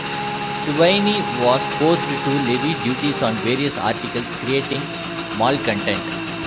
Thuwaini was forced to levy duties on various articles, creating malcontent.